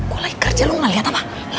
kuliah kerja lo ngeliat apa